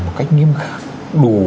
một cách nghiêm khắc đủ